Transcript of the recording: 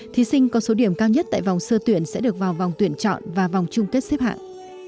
thí sinh có số điểm cao nhất tại vòng sơ tuyển sẽ được vào vòng tuyển chọn và vòng chung kết xếp hạng